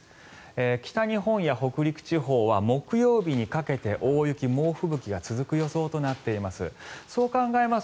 北日本や北陸地方は木曜日にかけて大雪、猛吹雪が続く予想となっています。